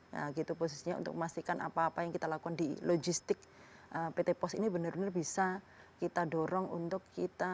nah gitu posisinya untuk memastikan apa apa yang kita lakukan di logistik pt pos ini benar benar bisa kita dorong untuk kita